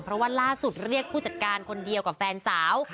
เพราะว่าล่าสุดเรียกผู้จัดการคนเดียวกับแฟนสาว